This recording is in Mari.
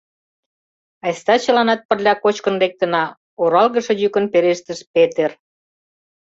— Айста чыланат пырля кочкын лектына, — оралгыше йӱкын пелештыш Петер.